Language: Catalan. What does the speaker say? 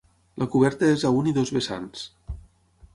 La coberta és a un i dos vessants.